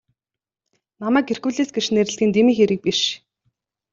Намайг Геркулес гэж нэрлэдэг нь дэмий хэрэг биш.